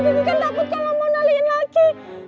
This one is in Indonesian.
ini kan takut kalau mau naliin lagi